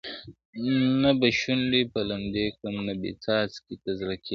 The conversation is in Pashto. نه به شونډي په لمدې کړم نه مي څاڅکي ته زړه کیږي-